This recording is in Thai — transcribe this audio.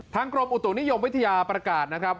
กรมอุตุนิยมวิทยาประกาศนะครับ